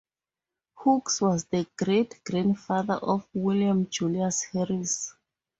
Hooks was the great-grandfather of William Julius Harris.